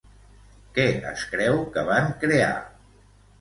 Què es creu que van crear?